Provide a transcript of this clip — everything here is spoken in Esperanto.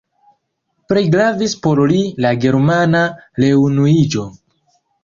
Plej gravis por li la Germana reunuiĝo.